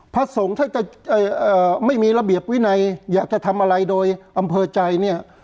พระสงฆ์ถ้าจะไม่มีระเบียบวินัยอยากจะทำอะไรโดยอำเภอใจเนี่ย